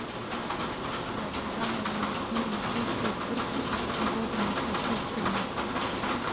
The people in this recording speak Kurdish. Berxwedana ronakbîrên Kurd û Tirk, ji bo demokrasiyê didome